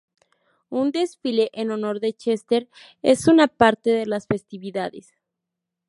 Un desfile en honor de Chester es una parte de las festividades.